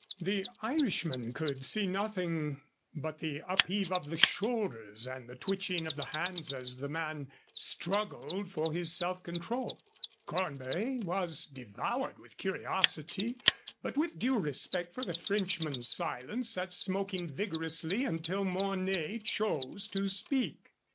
The Irishman could see nothing but the upheave of the shoulders and the twitching of the hands as the man straggled for his self control. Cornbury was devoured with curiosity, but with due respect for the Frenchman's silence sat smoking vigorously until Mornay chose to speak.